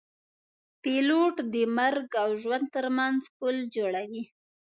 پیلوټ د مرګ او ژوند ترمنځ پل جوړوي.